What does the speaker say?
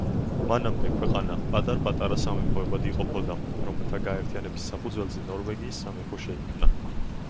მანამდე ქვეყანა პატარ–პატარა სამეფოებად იყოფოდა, რომელთა გაერთიანების საფუძველზე ნორვეგიის სამეფო შეიქმნა.